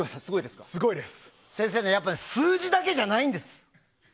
先生、やっぱり数字だけじゃないんです。